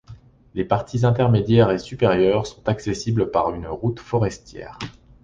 Les parties intermédiaire et supérieure sont accessibles par une route forestière.